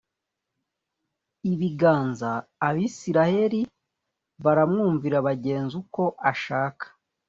ibiganza Abisirayeli baramwumvira bagenza uko ashaka.